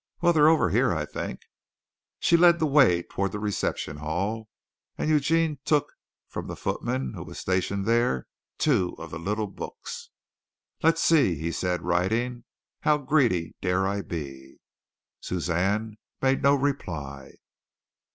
"Well, they're over here, I think." She led the way toward the reception hall, and Eugene took from the footman who was stationed there two of the little books. "Let's see," he said, writing, "how greedy dare I be?" Suzanne made no reply.